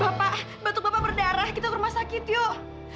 bapak bantu bapak berdarah kita ke rumah sakit yuk